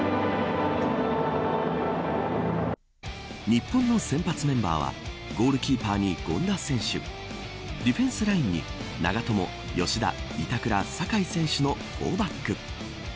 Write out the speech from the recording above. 日本の先発メンバーはゴールキーパーに権田選手ディフェンスラインに長友、吉田、板倉、酒井の選手ら４バック。